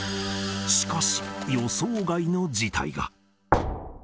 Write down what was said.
しかし、予想外の事態が。